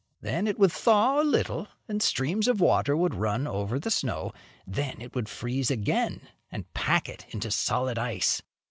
Then it would thaw a little, and streams of water would run over the snow; then it would freeze again, and pack it into solid ice.